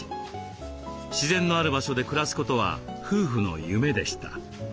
自然のある場所で暮らすことは夫婦の夢でした。